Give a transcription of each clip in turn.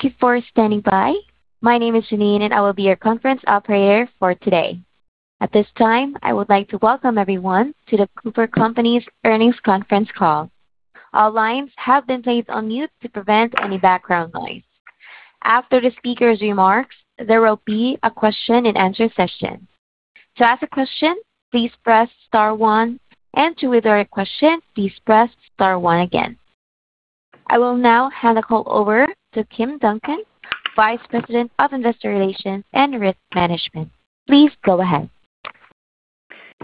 Thank you for standing by. My name is Janine, and I will be your conference operator for today. At this time, I would like to welcome everyone to The Cooper Companies Earnings Conference Call. All lines have been placed on mute to prevent any background noise. After the speaker's remarks, there will be a question and answer session. To ask a question, please press star one, and to withdraw your question, please press star one again. I will now hand the call over to Kim Duncan, Vice President of Investor Relations and Risk Management. Please go ahead.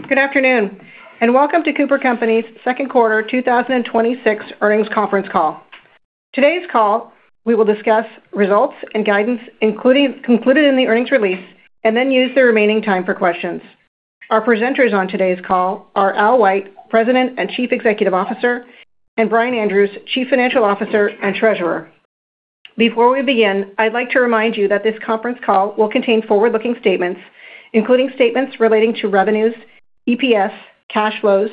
Good afternoon, and welcome to The Cooper Companies' second quarter 2026 earnings conference call. Today's call, we will discuss results and guidance concluded in the earnings release and then use the remaining time for questions. Our presenters on today's call are Albert White, President and Chief Executive Officer, and Brian Andrews, Chief Financial Officer and Treasurer. Before we begin, I'd like to remind you that this conference call will contain forward-looking statements, including statements relating to revenues, EPS, cash flows,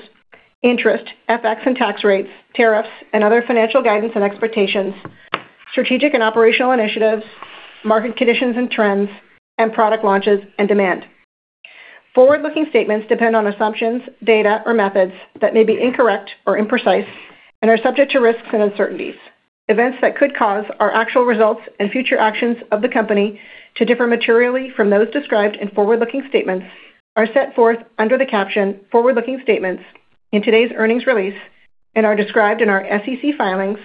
interest, FX and tax rates, tariffs, and other financial guidance and expectations, strategic and operational initiatives, market conditions and trends, and product launches and demand. Forward-looking statements depend on assumptions, data, or methods that may be incorrect or imprecise and are subject to risks and uncertainties. Events that could cause our actual results and future actions of the company to differ materially from those described in forward-looking statements are set forth under the caption Forward-Looking Statements in today's earnings release and are described in our SEC filings,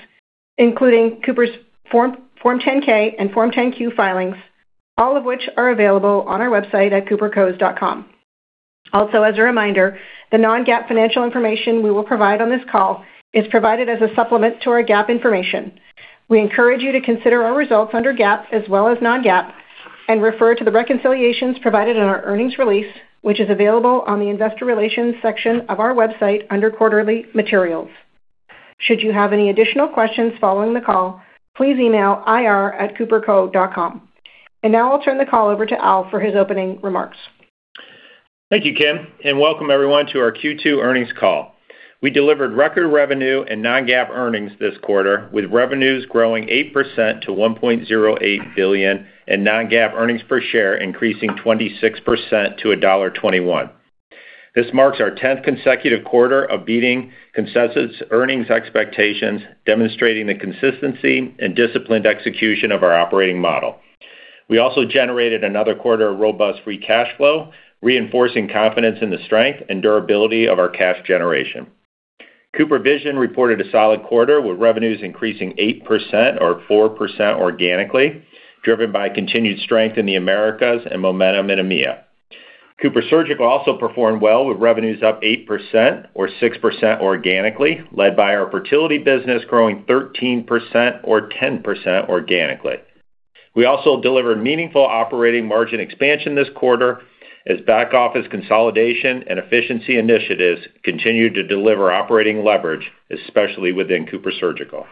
including Cooper's Form 10-K and Form 10-Q filings, all of which are available on our website at coopercos.com. Also, as a reminder, the non-GAAP financial information we will provide on this call is provided as a supplement to our GAAP information. We encourage you to consider our results under GAAP as well as non-GAAP and refer to the reconciliations provided in our earnings release, which is available on the investor relations section of our website under quarterly materials. Should you have any additional questions following the call, please email ir@coopercos.com. Now I'll turn the call over to Al for his opening remarks. Thank you, Kim, and welcome everyone to our Q2 earnings call. We delivered record revenue and non-GAAP earnings this quarter, with revenues growing 8% to $1.08 billion and non-GAAP earnings per share increasing 26% to $1.21. This marks our tenth consecutive quarter of beating consensus earnings expectations, demonstrating the consistency and disciplined execution of our operating model. We also generated another quarter of robust free cash flow, reinforcing confidence in the strength and durability of our cash generation. CooperVision reported a solid quarter, with revenues increasing 8%, or 4% organically, driven by continued strength in the Americas and momentum in EMEA. CooperSurgical also performed well, with revenues up 8%, or 6% organically, led by our fertility business growing 13%, or 10% organically. We also delivered meaningful operating margin expansion this quarter as back-office consolidation and efficiency initiatives continued to deliver operating leverage, especially within CooperSurgical.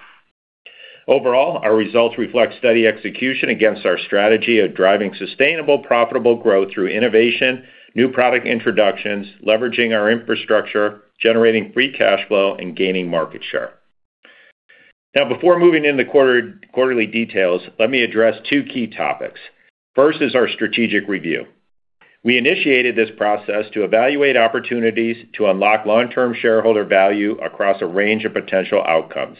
Overall, our results reflect steady execution against our strategy of driving sustainable, profitable growth through innovation, new product introductions, leveraging our infrastructure, generating free cash flow, and gaining market share. Before moving into quarterly details, let me address two key topics. First is our strategic review. We initiated this process to evaluate opportunities to unlock long-term shareholder value across a range of potential outcomes.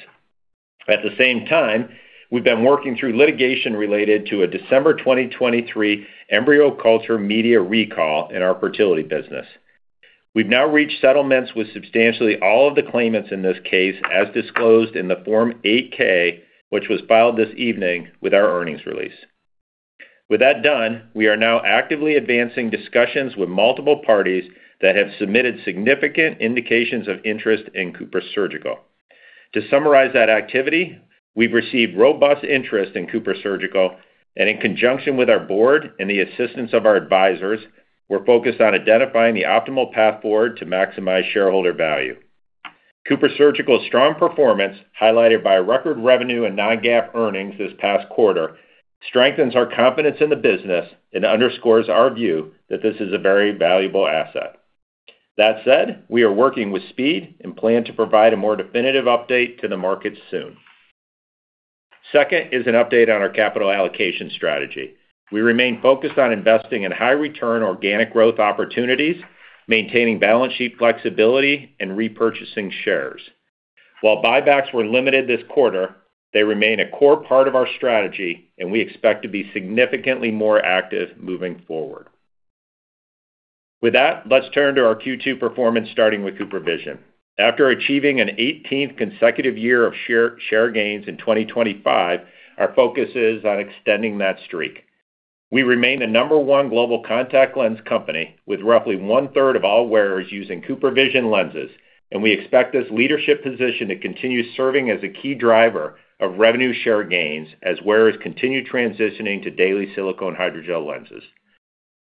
At the same time, we've been working through litigation related to a December 2023 embryo culture media recall in our fertility business. We've now reached settlements with substantially all of the claimants in this case, as disclosed in the Form 8-K, which was filed this evening with our earnings release. With that done, we are now actively advancing discussions with multiple parties that have submitted significant indications of interest in CooperSurgical. To summarize that activity, we've received robust interest in CooperSurgical, and in conjunction with our board and the assistance of our advisors, we're focused on identifying the optimal path forward to maximize shareholder value. CooperSurgical's strong performance, highlighted by record revenue and non-GAAP earnings this past quarter, strengthens our confidence in the business and underscores our view that this is a very valuable asset. That said, we are working with speed and plan to provide a more definitive update to the market soon. Second is an update on our capital allocation strategy. We remain focused on investing in high-return organic growth opportunities, maintaining balance sheet flexibility, and repurchasing shares. While buybacks were limited this quarter, they remain a core part of our strategy, and we expect to be significantly more active moving forward. With that, let's turn to our Q2 performance, starting with CooperVision. After achieving an 18th consecutive year of share gains in 2025, our focus is on extending that streak. We remain the number one global contact lens company, with roughly one-third of all wearers using CooperVision lenses, and we expect this leadership position to continue serving as a key driver of revenue share gains as wearers continue transitioning to daily silicone hydrogel lenses.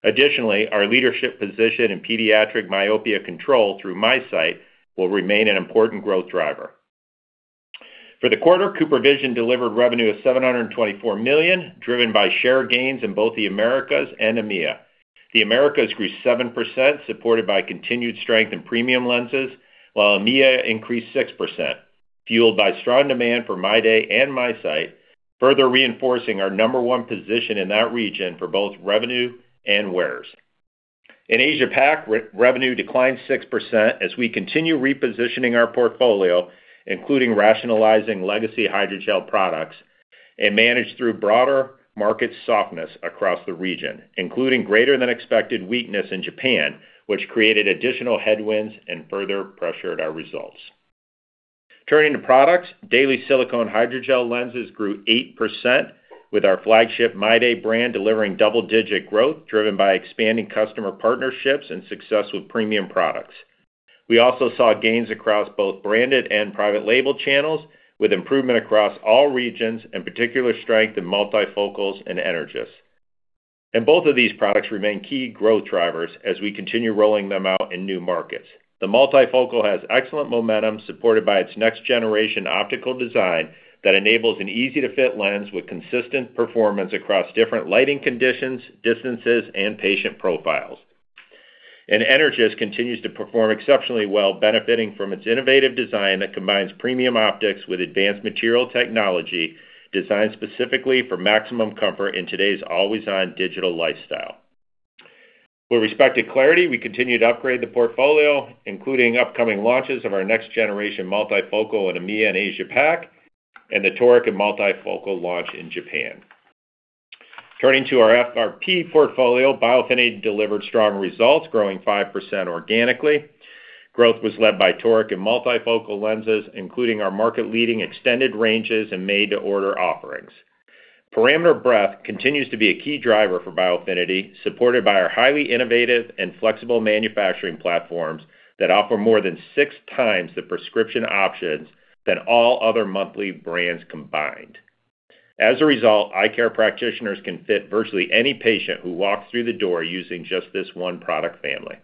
Additionally, our leadership position in pediatric myopia control through MiSight will remain an important growth driver. For the quarter, CooperVision delivered revenue of $724 million, driven by share gains in both the Americas and EMEA. The Americas grew 7%, supported by continued strength in premium lenses, while EMEA increased 6%, fueled by strong demand for MyDay and MiSight, further reinforcing our number one position in that region for both revenue and wearers. In Asia Pac, revenue declined 6% as we continue repositioning our portfolio, including rationalizing legacy hydrogel products and managed through broader market softness across the region, including greater than expected weakness in Japan, which created additional headwinds and further pressured our results. Turning to products, daily silicone hydrogel lenses grew 8%, with our flagship MyDay brand delivering double-digit growth driven by expanding customer partnerships and success with premium products. We also saw gains across both branded and private label channels, with improvement across all regions and particular strength in multifocals and Energys. Both of these products remain key growth drivers as we continue rolling them out in new markets. The multifocal has excellent momentum, supported by its next generation optical design that enables an easy-to-fit lens with consistent performance across different lighting conditions, distances, and patient profiles. Energys continues to perform exceptionally well, benefiting from its innovative design that combines premium optics with advanced material technology designed specifically for maximum comfort in today's always-on digital lifestyle. With respect to clariti, we continue to upgrade the portfolio, including upcoming launches of our next generation multifocal in EMEA and Asia Pac, and the toric and multifocal launch in Japan. Turning to our FRP portfolio, Biofinity delivered strong results, growing 5% organically. Growth was led by toric and multifocal lenses, including our market-leading extended ranges and made-to-order offerings. Parameter breadth continues to be a key driver for Biofinity, supported by our highly innovative and flexible manufacturing platforms that offer more than six times the prescription options than all other monthly brands combined. As a result, eye care practitioners can fit virtually any patient who walks through the door using just this one product family.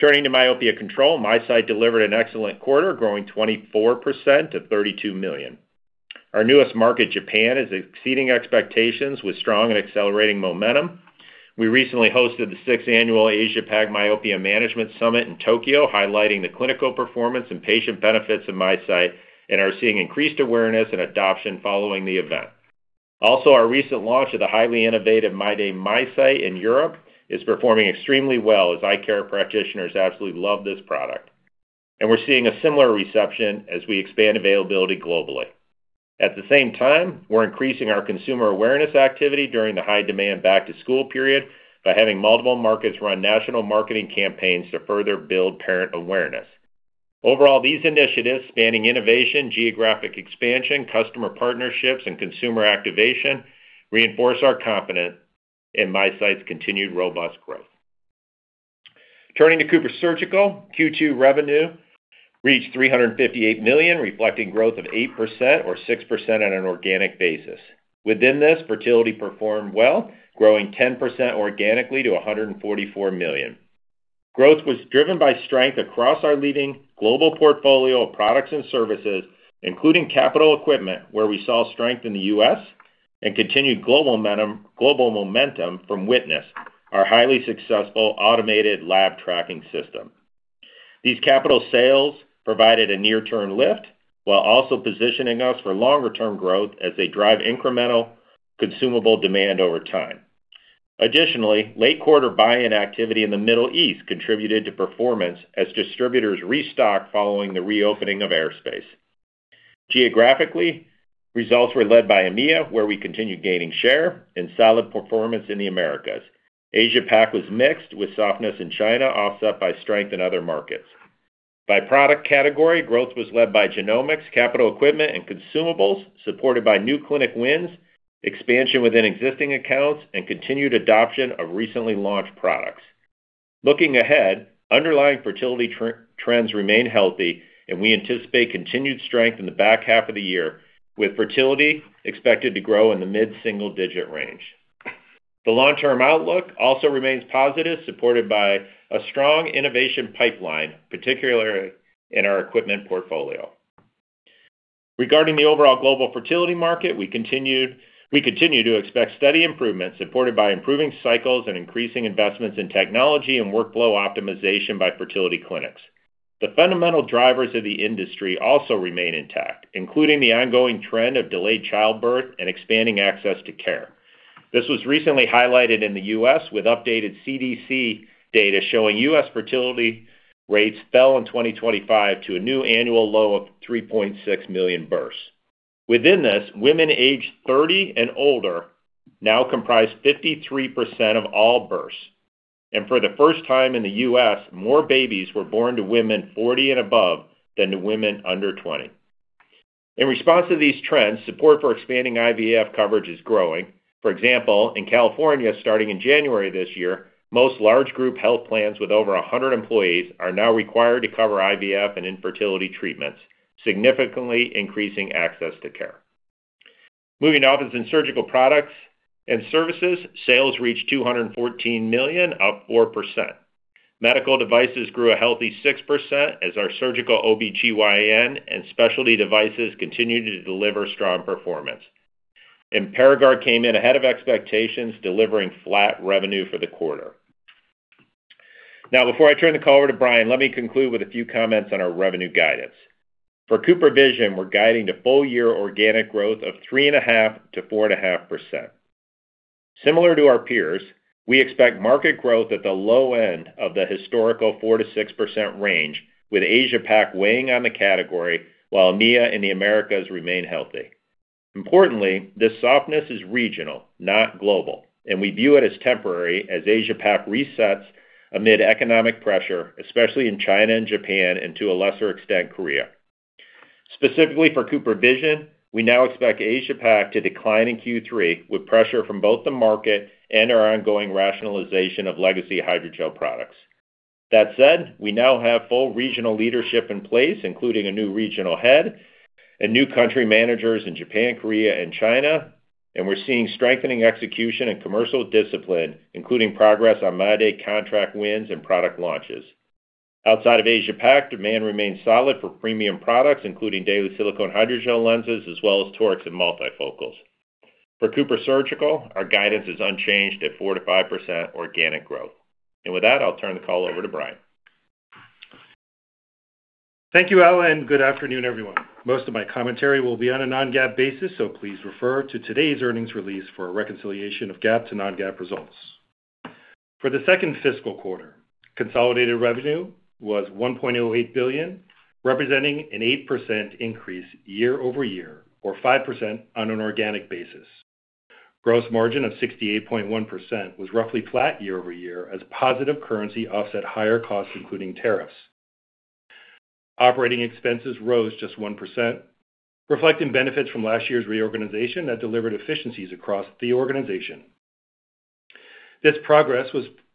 Turning to myopia control, MiSight delivered an excellent quarter, growing 24% to $32 million. Our newest market, Japan, is exceeding expectations with strong and accelerating momentum. We recently hosted the sixth annual Asia-Pacific Myopia Management Summit in Tokyo, highlighting the clinical performance and patient benefits of MiSight, are seeing increased awareness and adoption following the event. Our recent launch of the highly innovative MyDay MiSight in Europe is performing extremely well as eye care practitioners absolutely love this product. We're seeing a similar reception as we expand availability globally. At the same time, we're increasing our consumer awareness activity during the high-demand back-to-school period by having multiple markets run national marketing campaigns to further build parent awareness. These initiatives, spanning innovation, geographic expansion, customer partnerships, and consumer activation, reinforce our confidence in MiSight's continued robust growth. Turning to CooperSurgical, Q2 revenue reached $358 million, reflecting growth of 8%, or 6% on an organic basis. Within this, fertility performed well, growing 10% organically to $144 million. Growth was driven by strength across our leading global portfolio of products and services, including capital equipment, where we saw strength in the U.S. and continued global momentum from RI Witness, our highly successful automated lab tracking system. These capital sales provided a near-term lift while also positioning us for longer-term growth as they drive incremental consumable demand over time. Additionally, late quarter buy-in activity in the Middle East contributed to performance as distributors restocked following the reopening of airspace. Geographically, results were led by EMEA, where we continued gaining share and solid performance in the Americas. Asia-Pac was mixed, with softness in China offset by strength in other markets. By product category, growth was led by genomics, capital equipment, and consumables, supported by new clinic wins, expansion within existing accounts, and continued adoption of recently launched products. Looking ahead, underlying fertility trends remain healthy, and we anticipate continued strength in the back half of the year, with fertility expected to grow in the mid-single digit range. The long-term outlook also remains positive, supported by a strong innovation pipeline, particularly in our equipment portfolio. Regarding the overall global fertility market, we continue to expect steady improvement supported by improving cycles and increasing investments in technology and workflow optimization by fertility clinics. The fundamental drivers of the industry also remain intact, including the ongoing trend of delayed childbirth and expanding access to care. This was recently highlighted in the U.S. with updated CDC data showing U.S. fertility rates fell in 2025 to a new annual low of 3.6 million births. Within this, women aged 30 and older now comprise 53% of all births. For the first time in the U.S., more babies were born to women 40 and above than to women under 20. In response to these trends, support for expanding IVF coverage is growing. For example, in California, starting in January this year, most large group health plans with over 100 employees are now required to cover IVF and infertility treatments, significantly increasing access to care. Moving now is in surgical products and services. Sales reached $214 million, up 4%. Medical devices grew a healthy 6% as our surgical OBGYN and specialty devices continued to deliver strong performance. Paragard came in ahead of expectations, delivering flat revenue for the quarter. Now, before I turn the call over to Brian, let me conclude with a few comments on our revenue guidance. For CooperVision, we're guiding to full year organic growth of 3.5%-4.5%. Similar to our peers, we expect market growth at the low end of the historical 4%-6% range, with Asia-Pac weighing on the category while EMEA and the Americas remain healthy. Importantly, this softness is regional, not global, and we view it as temporary as Asia-Pac resets amid economic pressure, especially in China and Japan, and to a lesser extent, Korea. Specifically for CooperVision, we now expect Asia-Pac to decline in Q3 with pressure from both the market and our ongoing rationalization of legacy hydrogel products. That said, we now have full regional leadership in place, including a new regional head and new country managers in Japan, Korea, and China, and we're seeing strengthening execution and commercial discipline, including progress on MAUDE contract wins and product launches. Outside of Asia-Pac, demand remains solid for premium products, including daily silicone hydrogel lenses, as well as toric and multifocals. For CooperSurgical, our guidance is unchanged at 4%-5% organic growth. With that, I'll turn the call over to Brian. Thank you, Al, good afternoon, everyone. Most of my commentary will be on a non-GAAP basis, so please refer to today's earnings release for a reconciliation of GAAP to non-GAAP results. For the second fiscal quarter, consolidated revenue was $1.08 billion, representing an 8% increase year-over-year or 5% on an organic basis. Gross margin of 68.1% was roughly flat year-over-year as positive currency offset higher costs, including tariffs. Operating expenses rose just 1%, reflecting benefits from last year's reorganization that delivered efficiencies across the organization. This progress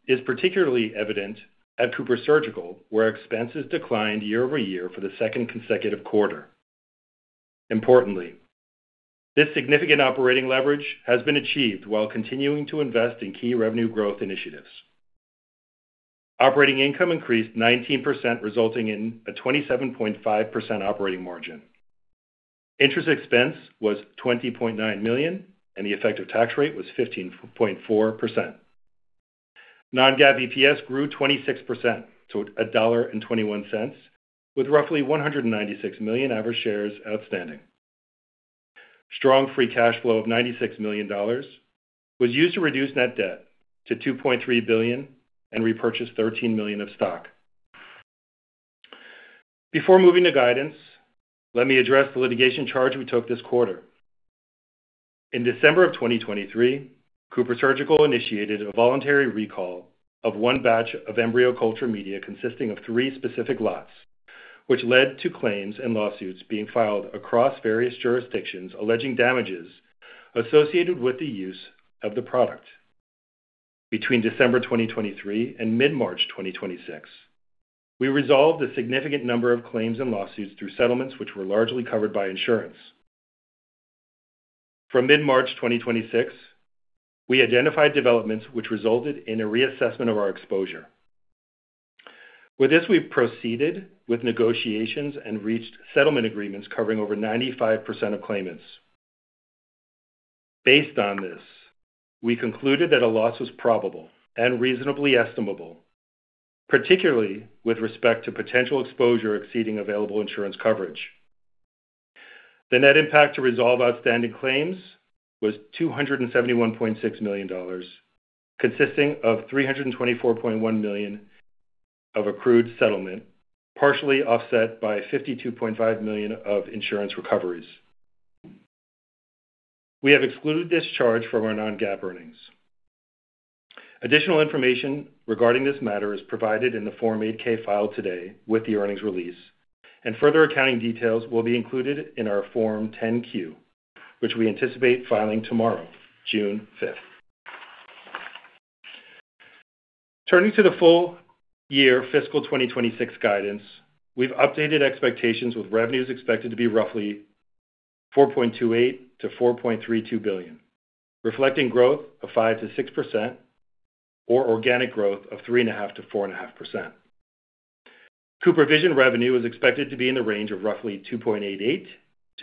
is particularly evident at CooperSurgical, where expenses declined year-over-year for the second consecutive quarter. Importantly, this significant operating leverage has been achieved while continuing to invest in key revenue growth initiatives. Operating income increased 19%, resulting in a 27.5% operating margin. Interest expense was $20.9 million and the effective tax rate was 15.4%. Non-GAAP EPS grew 26% to $1.21, with roughly 196 million average shares outstanding. Strong free cash flow of $96 million was used to reduce net debt to $2.3 billion and repurchase $13 million of stock. Before moving to guidance, let me address the litigation charge we took this quarter. In December of 2023, CooperSurgical initiated a voluntary recall of one batch of embryo culture media consisting of three specific lots, which led to claims and lawsuits being filed across various jurisdictions alleging damages associated with the use of the product. Between December 2023 and mid-March 2026, we resolved a significant number of claims and lawsuits through settlements, which were largely covered by insurance. From mid-March 2026, we identified developments which resulted in a reassessment of our exposure. With this, we proceeded with negotiations and reached settlement agreements covering over 95% of claimants. Based on this, we concluded that a loss was probable and reasonably estimable, particularly with respect to potential exposure exceeding available insurance coverage. The net impact to resolve outstanding claims was $271.6 million, consisting of $324.1 million of accrued settlement, partially offset by $52.5 million of insurance recoveries. We have excluded this charge from our non-GAAP earnings. Additional information regarding this matter is provided in the Form 8-K filed today with the earnings release, and further accounting details will be included in our Form 10-Q, which we anticipate filing tomorrow, June 5th. Turning to the full year fiscal 2026 guidance, we've updated expectations with revenues expected to be roughly $4.28 billion-$4.32 billion, reflecting growth of 5%-6% or organic growth of 3.5%-4.5%. CooperVision revenue is expected to be in the range of roughly $2.88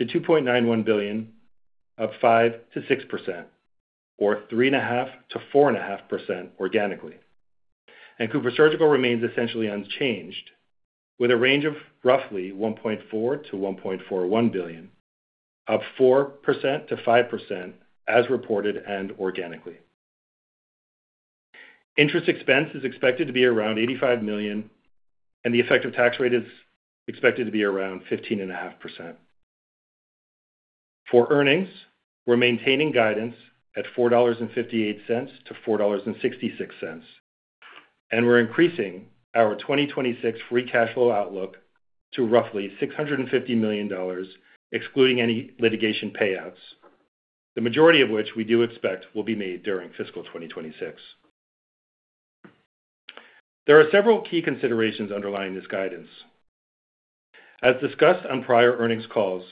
billion-$2.91 billion, up 5%-6%, or 3.5%-4.5% organically. CooperSurgical remains essentially unchanged, with a range of roughly $1.4 billion-$1.41 billion, up 4%-5% as reported and organically. Interest expense is expected to be around $85 million, and the effective tax rate is expected to be around 15.5%. For earnings, we're maintaining guidance at $4.58-$4.66, and we're increasing our 2026 free cash flow outlook to roughly $650 million, excluding any litigation payouts, the majority of which we do expect will be made during fiscal 2026. There are several key considerations underlying this guidance. As discussed on prior earnings calls,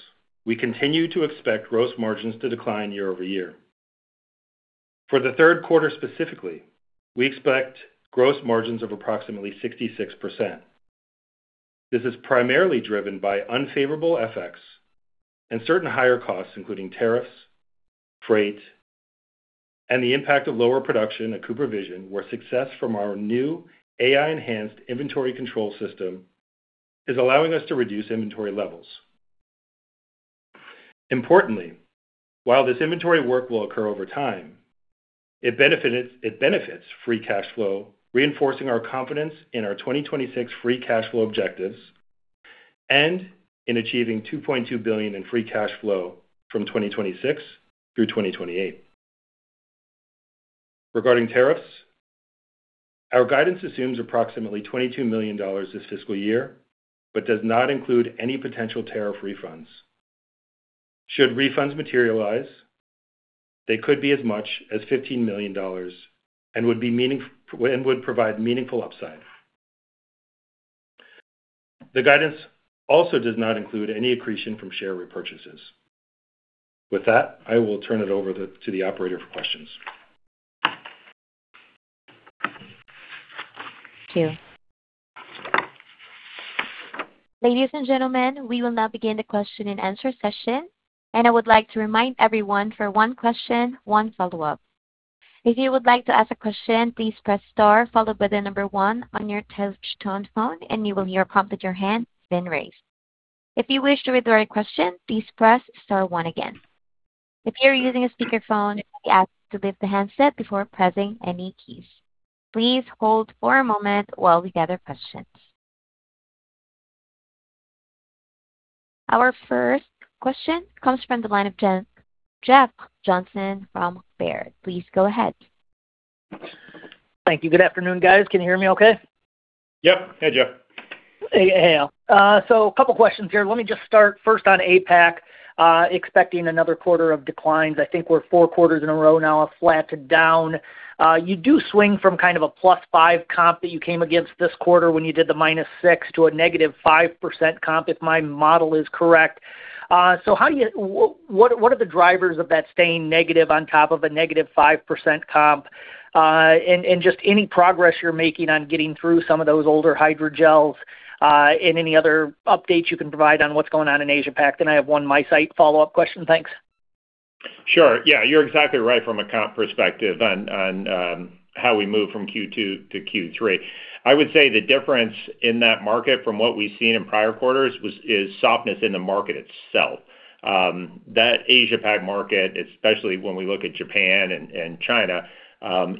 we continue to expect gross margins to decline year-over-year. For the third quarter specifically, we expect gross margins of approximately 66%. This is primarily driven by unfavorable FX and certain higher costs, including tariffs, freight, and the impact of lower production at CooperVision, where success from our new AI-enhanced inventory control system is allowing us to reduce inventory levels. Importantly, while this inventory work will occur over time, it benefits free cash flow, reinforcing our confidence in our 2026 free cash flow objectives and in achieving $2.2 billion in free cash flow from 2026 through 2028. Regarding tariffs, our guidance assumes approximately $22 million this fiscal year, but does not include any potential tariff refunds. Should refunds materialize, they could be as much as $15 million and would provide meaningful upside. The guidance also does not include any accretion from share repurchases. With that, I will turn it over to the operator for questions. Thank you. Ladies and gentlemen, we will now begin the question and answer session. I would like to remind everyone for one question, one follow-up. If you would like to ask a question, please press star followed by the number one on your touch tone phone. You will hear a prompt that your hand has been raised. If you wish to withdraw your question, please press star one again. If you're using a speakerphone, we ask that you lift the handset before pressing any keys. Please hold for a moment while we gather questions. Our first question comes from the line of Jeff Johnson from Baird. Please go ahead. Thank you. Good afternoon, guys. Can you hear me okay? Yep. Hey, Jeff. Hey, Al. A couple questions here. Let me just start first on APAC. Expecting another quarter of declines. I think we're four quarters in a row now of flat to down. You do swing from kind of a +5 comp that you came against this quarter when you did the -6 to a -5% comp, if my model is correct. What are the drivers of that staying negative on top of a -5% comp? Just any progress you're making on getting through some of those older hydrogels, and any other updates you can provide on what's going on in Asia Pac? I have one MiSight follow-up question. Thanks. Sure. Yeah, you're exactly right from a comp perspective on how we move from Q2 to Q3. I would say the difference in that market from what we've seen in prior quarters is softness in the market itself. That Asia Pac market, especially when we look at Japan and China,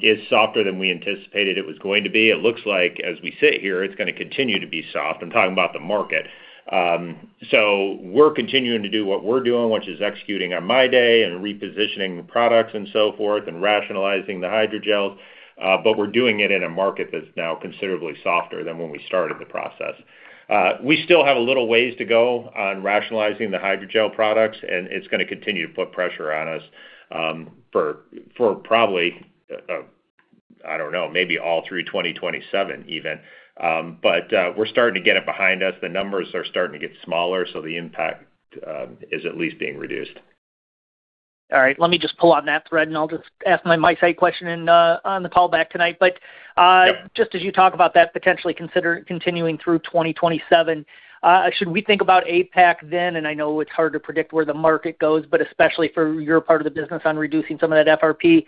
is softer than we anticipated it was going to be. It looks like as we sit here, it's going to continue to be soft. I'm talking about the market. We're continuing to do what we're doing, which is executing on MyDay and repositioning products and so forth and rationalizing the hydrogels, but we're doing it in a market that's now considerably softer than when we started the process. We still have a little ways to go on rationalizing the hydrogel products, and it's going to continue to put pressure on us for probably, I don't know, maybe all through 2027 even. We're starting to get it behind us. The numbers are starting to get smaller, so the impact is at least being reduced. All right. Let me just pull on that thread, and I'll just ask my MiSight question on the call back tonight. Yeah just as you talk about that potentially continuing through 2027, should we think about APAC then? I know it's hard to predict where the market goes, but especially for your part of the business on reducing some of that FRP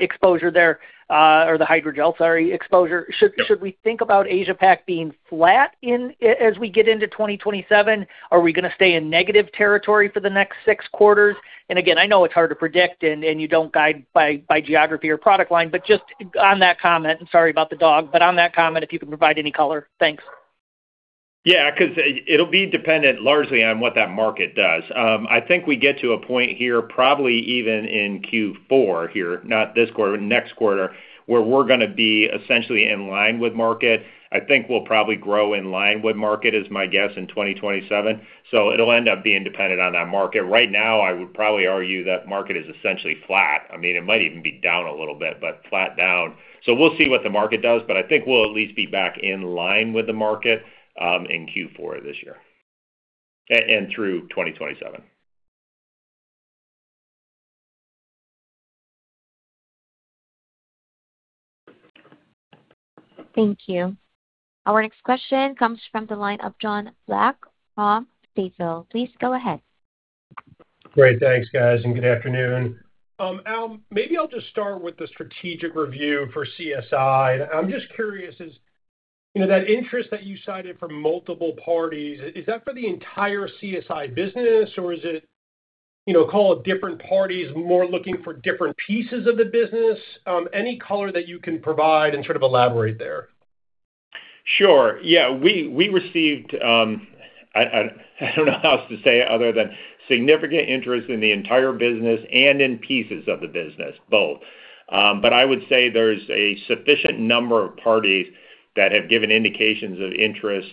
exposure there, or the hydrogel, sorry, exposure. Should we think about Asia-Pac being flat as we get into 2027? Are we going to stay in negative territory for the next 6 quarters? Again, I know it's hard to predict, and you don't guide by geography or product line, just on that comment, and sorry about the dog, on that comment, if you could provide any color. Thanks. Yeah, because it'll be dependent largely on what that market does. I think we get to a point here, probably even in Q4 here, not this quarter, but next quarter, where we're going to be essentially in line with market. I think we'll probably grow in line with market is my guess in 2027. It'll end up being dependent on that market. Right now, I would probably argue that market is essentially flat. I mean, it might even be down a little bit, but flat down. We'll see what the market does, but I think we'll at least be back in line with the market in Q4 of this year and through 2027. Thank you. Our next question comes from the line of Jonathan Block from Stifel. Please go ahead. Great. Thanks, guys. Good afternoon. Al, maybe I'll just start with the strategic review for CSI. I'm just curious, is that interest that you cited from multiple parties, is that for the entire CSI business, or is it different parties more looking for different pieces of the business? Any color that you can provide and sort of elaborate there? Sure. Yeah. We received, I don't know how else to say it other than significant interest in the entire business and in pieces of the business, both. I would say there's a sufficient number of parties that have given indications of interest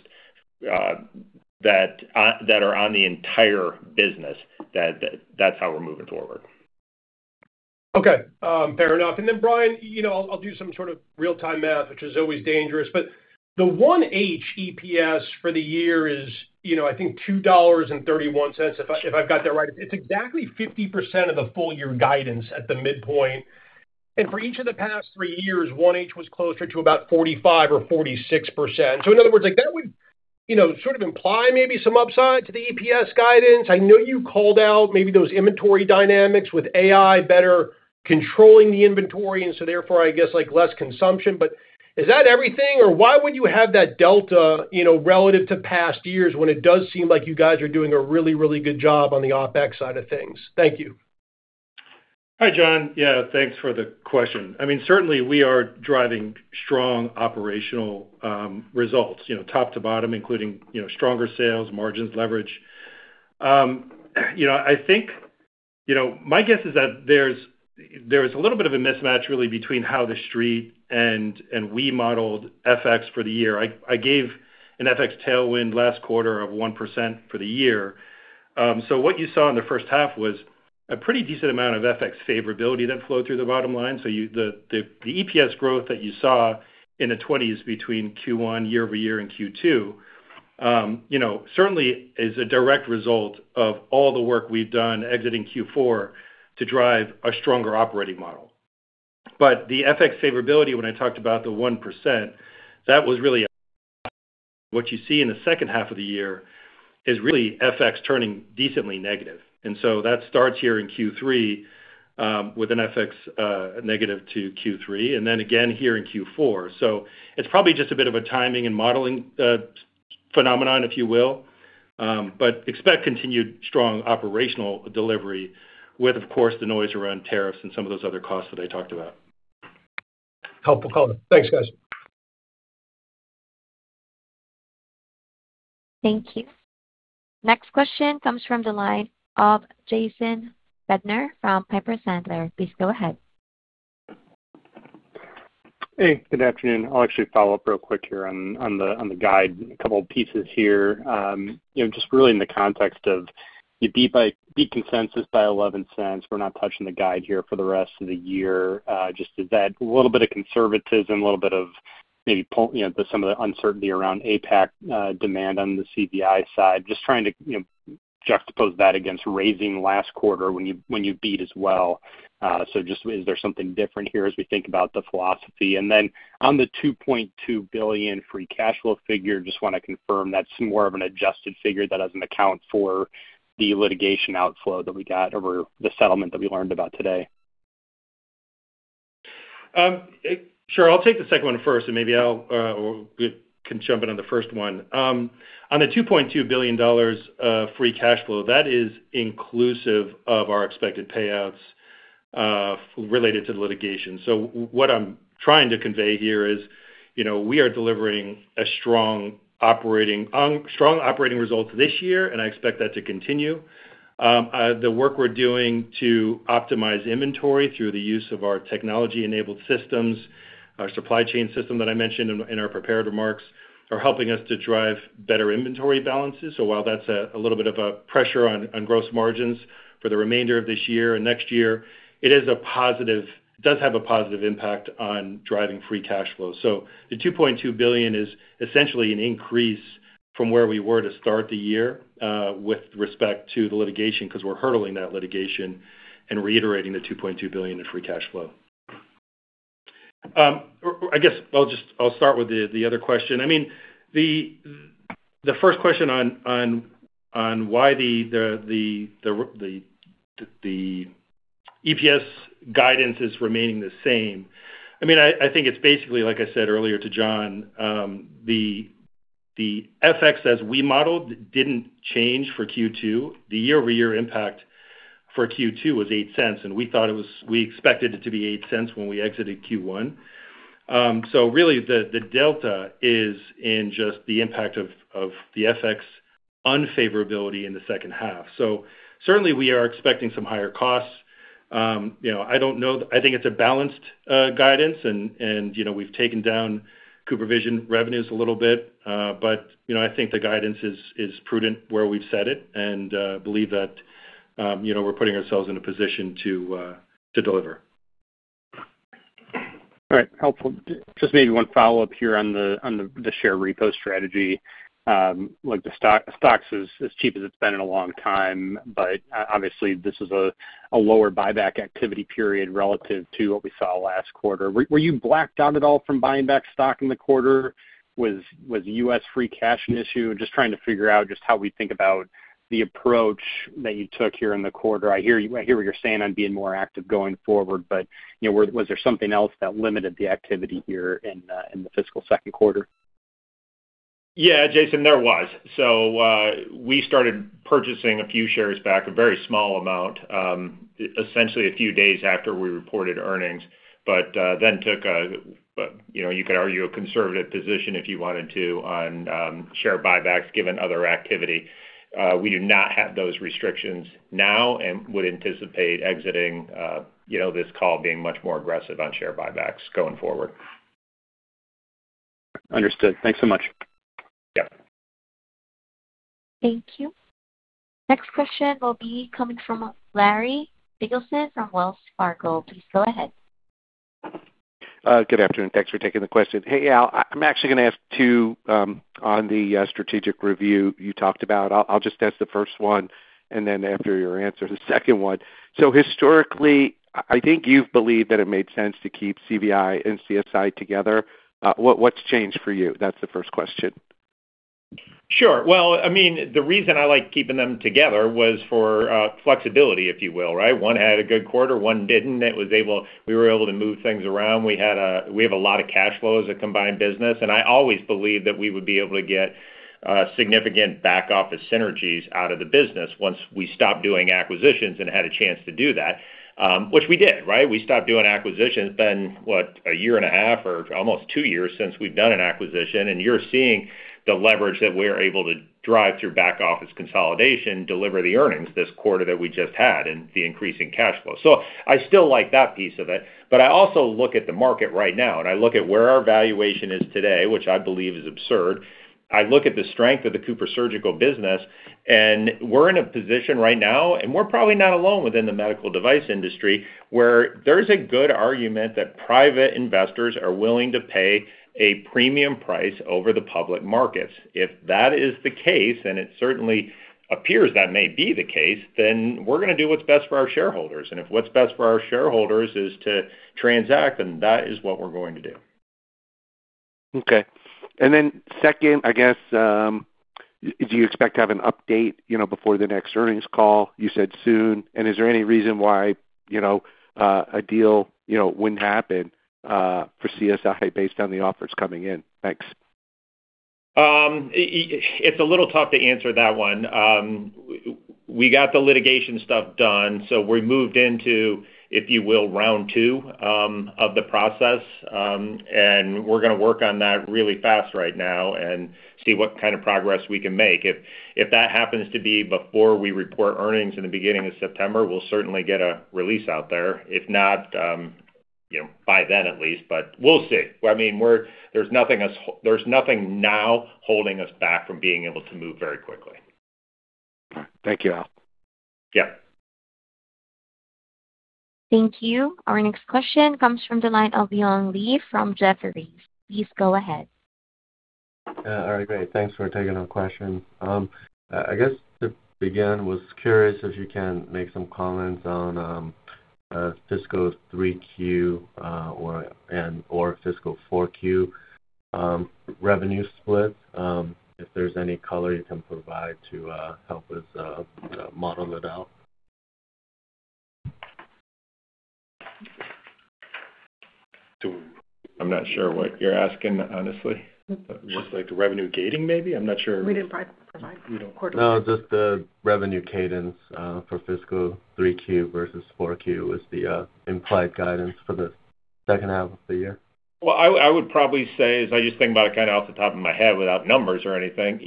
that are on the entire business. That's how we're moving forward. Okay. Fair enough. Brian, I'll do some sort of real-time math, which is always dangerous, but the 1H EPS for the year is I think $2.31, if I've got that right. It's exactly 50% of the full-year guidance at the midpoint. For each of the past three years, 1H was closer to about 45% or 46%. In other words, that would sort of imply maybe some upside to the EPS guidance. I know you called out maybe those inventory dynamics with AI better controlling the inventory, and so therefore, I guess, less consumption. Is that everything? Why would you have that delta relative to past years when it does seem like you guys are doing a really, really good job on the OpEx side of things? Thank you. Hi, Jon. Yeah, thanks for the question. Certainly, we are driving strong operational results top to bottom, including stronger sales, margins leverage. My guess is that there's a little bit of a mismatch, really, between how the Street and we modeled FX for the year. I gave an FX tailwind last quarter of 1% for the year. What you saw in the first half was a pretty decent amount of FX favorability that flowed through the bottom line. The EPS growth that you saw in the 20s between Q1 year-over-year and Q2 certainly is a direct result of all the work we've done exiting Q4 to drive a stronger operating model. The FX favorability, when I talked about the 1%. What you see in the second half of the year is really FX turning decently negative. That starts here in Q3 with an FX negative to Q3, and then again here in Q4. It's probably just a bit of a timing and modeling phenomenon, if you will. Expect continued strong operational delivery with, of course, the noise around tariffs and some of those other costs that I talked about. Helpful color. Thanks, guys. Thank you. Next question comes from the line of Jason Bednar from Piper Sandler. Please go ahead. Hey, good afternoon. I'll actually follow up real quick here on the guide. A couple pieces here. Really in the context of you beat consensus by $0.11. We're not touching the guide here for the rest of the year. Is that a little bit of conservatism, a little bit of maybe some of the uncertainty around APAC demand on the CVI side? Trying to juxtapose that against raising last quarter when you beat as well. Is there something different here as we think about the philosophy? On the $2.2 billion free cash flow figure, want to confirm that's more of an adjusted figure that doesn't account for the litigation outflow that we got over the settlement that we learned about today. Sure. I'll take the second one first, or we can jump in on the first one. On the $2.2 billion free cash flow, that is inclusive of our expected payouts related to the litigation. What I'm trying to convey here is we are delivering strong operating results this year, and I expect that to continue. The work we're doing to optimize inventory through the use of our technology-enabled systems, our supply chain system that I mentioned in our prepared remarks, are helping us to drive better inventory balances. While that's a little bit of a pressure on gross margins for the remainder of this year and next year, it does have a positive impact on driving free cash flow. The $2.2 billion is essentially an increase from where we were to start the year with respect to the litigation, because we're hurdling that litigation and reiterating the $2.2 billion in free cash flow. I'll start with the other question. The first question on why the EPS guidance is remaining the same. I think it's basically like I said earlier to John, the FX as we modeled didn't change for Q2. The year-over-year impact for Q2 was $0.08, and we expected it to be $0.08 when we exited Q1. Really the delta is in just the impact of the FX unfavorability in the second half. Certainly, we are expecting some higher costs. I think it's a balanced guidance, and we've taken down CooperVision revenues a little bit. I think the guidance is prudent where we've set it and believe that we're putting ourselves in a position to deliver. All right. Helpful. Just maybe one follow-up here on the share repo strategy. Obviously this is a lower buyback activity period relative to what we saw last quarter. Were you blacked out at all from buying back stock in the quarter? Was U.S. free cash an issue? Just trying to figure out just how we think about the approach that you took here in the quarter. I hear what you're saying on being more active going forward. Was there something else that limited the activity here in the fiscal second quarter? Yeah, Jason, there was. We started purchasing a few shares back, a very small amount, essentially a few days after we reported earnings, but then took a, you could argue, a conservative position if you wanted to on share buybacks given other activity. We do not have those restrictions now and would anticipate exiting this call being much more aggressive on share buybacks going forward. Understood. Thanks so much. Yeah. Thank you. Next question will be coming from Larry Biegelsen from Wells Fargo. Please go ahead. Good afternoon. Thanks for taking the question. Hey, Al, I'm actually going to ask two on the strategic review you talked about. I'll just ask the first one, and then after your answer, the second one. Historically, I think you've believed that it made sense to keep CVI and CSI together. What's changed for you? That's the first question. Sure. Well, the reason I like keeping them together was for flexibility, if you will, right? One had a good quarter, one didn't. We were able to move things around. We have a lot of cash flow as a combined business, and I always believed that we would be able to get significant back-office synergies out of the business once we stopped doing acquisitions and had a chance to do that, which we did, right? We stopped doing acquisitions. It's been, what, a year and a half or almost two years since we've done an acquisition, and you're seeing the leverage that we're able to drive through back-office consolidation deliver the earnings this quarter that we just had and the increase in cash flow. I still like that piece of it, but I also look at the market right now, and I look at where our valuation is today, which I believe is absurd. I look at the strength of the CooperSurgical business, and we're in a position right now, and we're probably not alone within the medical device industry, where there's a good argument that private investors are willing to pay a premium price over the public markets. If that is the case, and it certainly appears that may be the case, then we're going to do what's best for our shareholders. If what's best for our shareholders is to transact, then that is what we're going to do. Okay. Second, I guess, do you expect to have an update before the next earnings call? You said soon. Is there any reason why a deal wouldn't happen for CSI based on the offers coming in? Thanks. It's a little tough to answer that one. We got the litigation stuff done. We moved into, if you will, round two of the process. We're going to work on that really fast right now and see what kind of progress we can make. If that happens to be before we report earnings in the beginning of September, we'll certainly get a release out there, if not by then at least. We'll see. There's nothing now holding us back from being able to move very quickly. All right. Thank you, Al. Yeah. Thank you. Our next question comes from the line of Junyan Lee from Jefferies. Please go ahead. Yeah. All right, great. Thanks for taking our question. I guess to begin, was curious if you can make some comments on fiscal 3Q and/or fiscal 4Q revenue split, if there's any color you can provide to help us model it out. I'm not sure what you're asking, honestly. Looks like the revenue gating maybe? I'm not sure. We didn't provide quarterly. No, just the revenue cadence for fiscal 3Q versus 4Q is the implied guidance for the second half of the year. I would probably say, as I just think about it kind of off the top of my head without numbers or anything,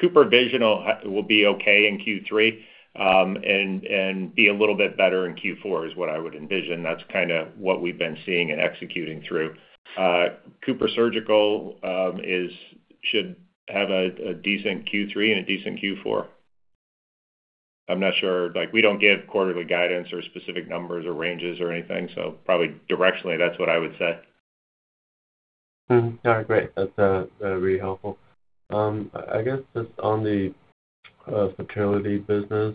CooperVision will be okay in Q3 and be a little bit better in Q4 is what I would envision. That's kind of what we've been seeing and executing through. CooperSurgical should have a decent Q3 and a decent Q4. I'm not sure. We don't give quarterly guidance or specific numbers or ranges or anything. Probably directionally, that's what I would say. All right, great. That's very helpful. I guess just on the fertility business,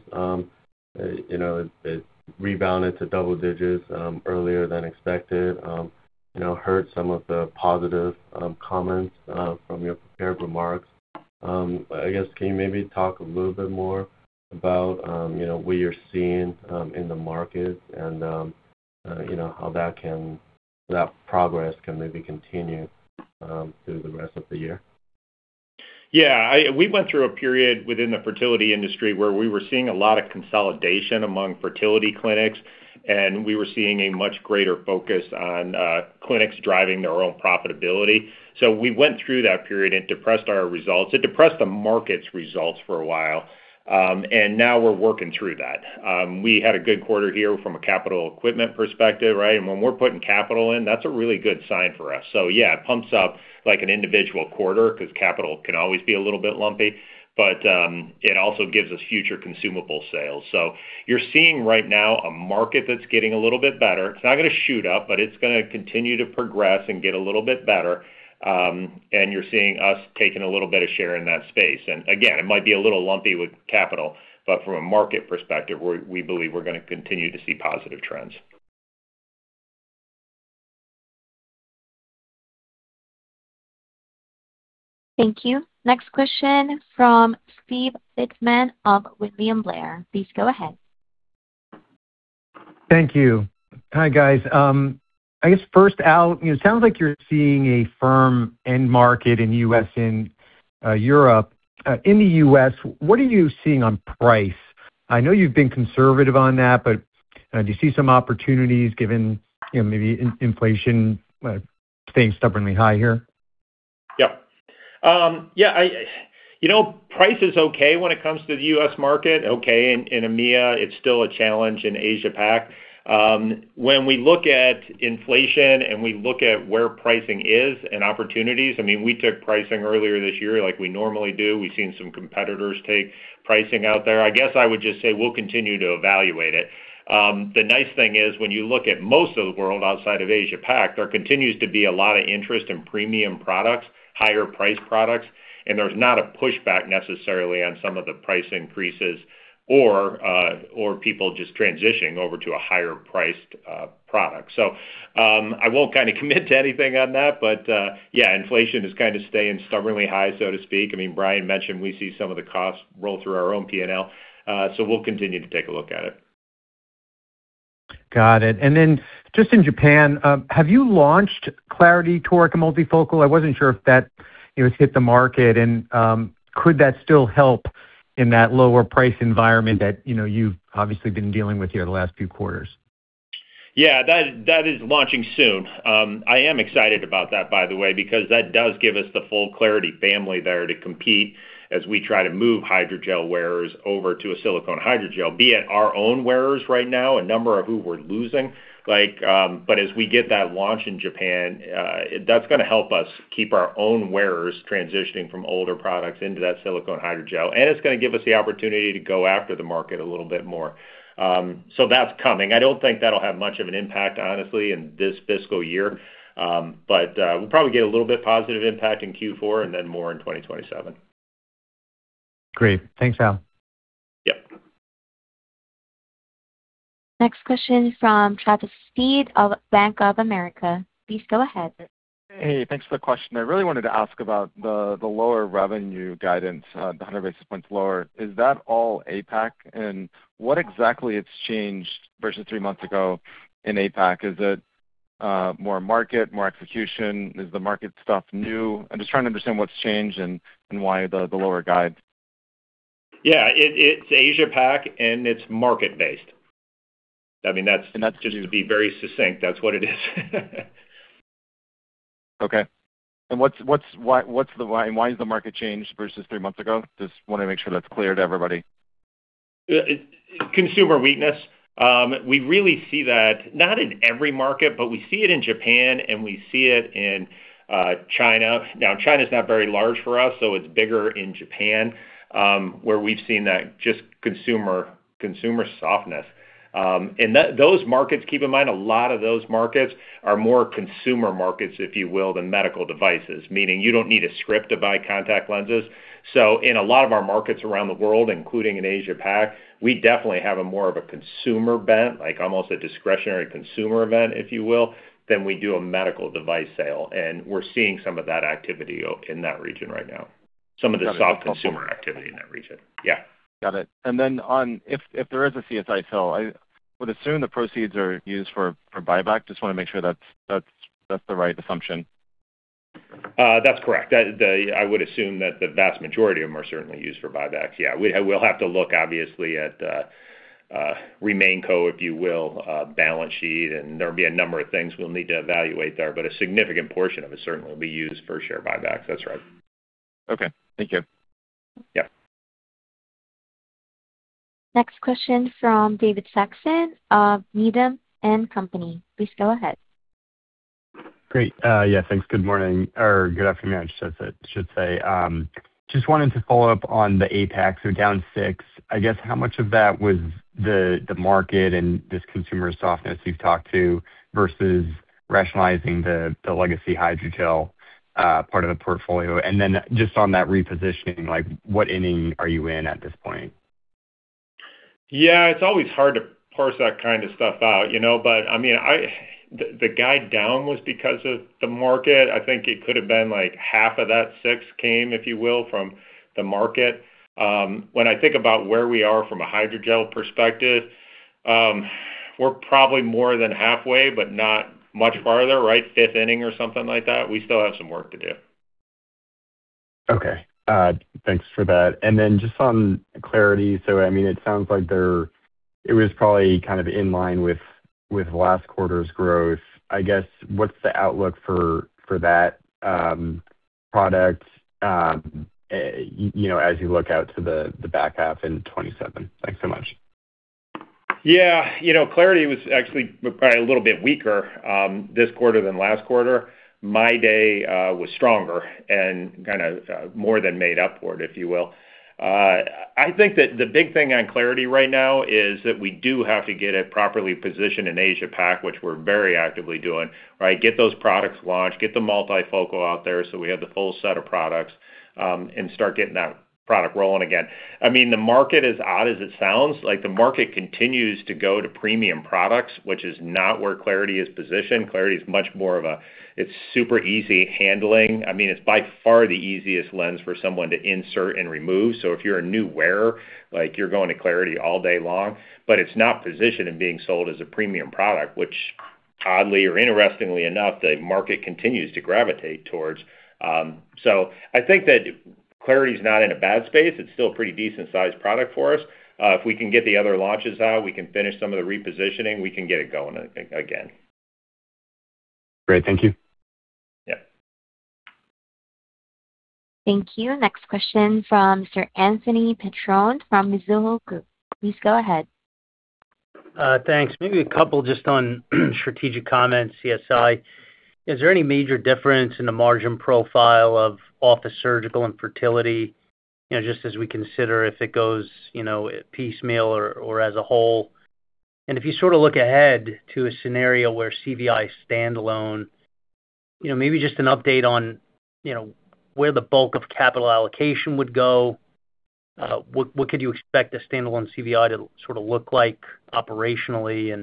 it rebounded to double digits earlier than expected. Heard some of the positive comments from your prepared remarks. I guess, can you maybe talk a little bit more about what you're seeing in the market and how that progress can maybe continue through the rest of the year? We went through a period within the fertility industry where we were seeing a lot of consolidation among fertility clinics, and we were seeing a much greater focus on clinics driving their own profitability. We went through that period. It depressed our results. It depressed the market's results for a while. Now we're working through that. We had a good quarter here from a capital equipment perspective, right? When we're putting capital in, that's a really good sign for us. Yeah, it pumps up an individual quarter because capital can always be a little bit lumpy, but it also gives us future consumable sales. You're seeing right now a market that's getting a little bit better. It's not going to shoot up, but it's going to continue to progress and get a little bit better. You're seeing us taking a little bit of share in that space. Again, it might be a little lumpy with capital, but from a market perspective, we believe we're going to continue to see positive trends. Thank you. Next question from Steve Lichtman of William Blair. Please go ahead. Thank you. Hi, guys. I guess first, Al, it sounds like you're seeing a firm end market in U.S. and Europe. In the U.S., what are you seeing on price? I know you've been conservative on that, but do you see some opportunities given maybe inflation staying stubbornly high here? Yeah. Price is okay when it comes to the U.S. market, okay in EMEA. It's still a challenge in Asia Pac. When we look at inflation and we look at where pricing is and opportunities, we took pricing earlier this year like we normally do. We've seen some competitors take pricing out there. I guess I would just say we'll continue to evaluate it. The nice thing is, when you look at most of the world outside of Asia Pac, there continues to be a lot of interest in premium products, higher priced products, and there's not a pushback necessarily on some of the price increases or people just transitioning over to a higher priced product. I won't kind of commit to anything on that, but yeah, inflation is kind of staying stubbornly high, so to speak. Brian mentioned we see some of the costs roll through our own P&L. We'll continue to take a look at it. Got it. Just in Japan, have you launched clariti Toric multifocal? I wasn't sure if that has hit the market. Could that still help in that lower price environment that you've obviously been dealing with here the last few quarters? Yeah, that is launching soon. I am excited about that, by the way, because that does give us the full clariti family there to compete as we try to move hydrogel wearers over to a silicone hydrogel. Be it our own wearers right now, a number of who we're losing, but as we get that launch in Japan, that's going to help us keep our own wearers transitioning from older products into that silicone hydrogel, and it's going to give us the opportunity to go after the market a little bit more. That's coming. I don't think that'll have much of an impact, honestly, in this fiscal year. We'll probably get a little bit positive impact in Q4 and then more in 2027. Great. Thanks, Al. Yep. Next question from Travis Steed of Bank of America. Please go ahead. Hey, thanks for the question. I really wanted to ask about the lower revenue guidance, the 100 basis points lower. Is that all APAC, and what exactly has changed versus three months ago in APAC? Is it more market, more execution? Is the market stuff new? I'm just trying to understand what's changed and why the lower guide. Yeah, it's Asia Pac, and it's market-based. Just to be very succinct, that's what it is. Okay. Why is the market changed versus three months ago? Just want to make sure that's clear to everybody. Consumer weakness. We really see that, not in every market, but we see it in Japan and we see it in China. China's not very large for us, so it's bigger in Japan, where we've seen that just consumer softness. Those markets, keep in mind, a lot of those markets are more consumer markets, if you will, than medical devices, meaning you don't need a script to buy contact lenses. In a lot of our markets around the world, including in Asia Pac, we definitely have a more of a consumer bent, like almost a discretionary consumer bent, if you will, than we do a medical device sale, and we're seeing some of that activity in that region right now. Some of the soft consumer activity in that region. Yeah. Got it. If there is a CSI sale, I would assume the proceeds are used for buyback. Just want to make sure that's the right assumption. That's correct. I would assume that the vast majority of them are certainly used for buybacks. Yeah. We'll have to look obviously at RemainCo, if you will, balance sheet. There'll be a number of things we'll need to evaluate there. A significant portion of it certainly will be used for share buybacks. That's right. Okay. Thank you. Yeah. Next question from David Saxon of Needham & Company. Please go ahead. Great. Yeah, thanks. Good morning, or good afternoon, I should say. Just wanted to follow up on the APAC, so down six. I guess how much of that was the market and this consumer softness you've talked to versus rationalizing the legacy hydrogel part of the portfolio? Just on that repositioning, what inning are you in at this point? Yeah, it's always hard to parse that kind of stuff out. The guide down was because of the market. I think it could have been like half of that six came, if you will, from the market. I think about where we are from a hydrogel perspective, we're probably more than halfway, but not much farther, right? Fifth inning or something like that. We still have some work to do. Okay. Thanks for that. Then just on clariti, so it sounds like it was probably kind of in line with last quarter's growth. I guess, what's the outlook for that product as you look out to the back half into 2027? Thanks so much. Yeah. clariti was actually probably a little bit weaker this quarter than last quarter. MyDay was stronger and kind of more than made up for it, if you will. I think that the big thing on clariti right now is that we do have to get it properly positioned in Asia-Pacific, which we're very actively doing. Right? Get those products launched, get the multifocal out there so we have the full set of products, and start getting that product rolling again. The market, as odd as it sounds, the market continues to go to premium products, which is not where clariti is positioned. clariti is much more of a. It's super easy handling. It's by far the easiest lens for someone to insert and remove. If you're a new wearer, you're going to clariti all day long. It's not positioned and being sold as a premium product, which oddly or interestingly enough, the market continues to gravitate towards. I think that clariti's not in a bad space. It's still a pretty decent sized product for us. If we can get the other launches out, we can finish some of the repositioning, we can get it going again. Great. Thank you. Yeah. Thank you. Next question from Sir Anthony Petrone from Mizuho Americas. Please go ahead. Thanks. Maybe a couple just on strategic comments, CSI. Is there any major difference in the margin profile of office surgical and fertility, just as we consider if it goes piecemeal or as a whole? If you look ahead to a scenario where CVI is standalone, maybe just an update on where the bulk of capital allocation would go. What could you expect a standalone CVI to look like operationally